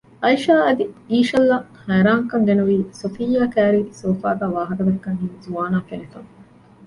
އައިޝާ އަދި އީޝަލްއަށް ހައިރާންކަން ގެނުވީ ސޮފިއްޔާ ކައިރީ ސޯފާގައި ވާހަކަދައްކަން އިން ޒުވާނާ ފެނިފަ